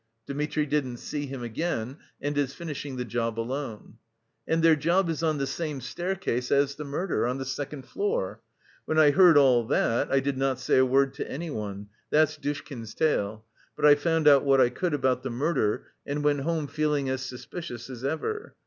Dmitri didn't see him again and is finishing the job alone. And their job is on the same staircase as the murder, on the second floor. When I heard all that I did not say a word to anyone' that's Dushkin's tale 'but I found out what I could about the murder, and went home feeling as suspicious as ever.